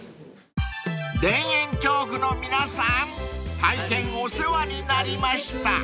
［田園調布の皆さん大変お世話になりました］